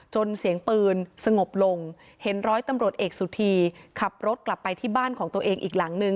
เสียงปืนสงบลงเห็นร้อยตำรวจเอกสุธีขับรถกลับไปที่บ้านของตัวเองอีกหลังนึง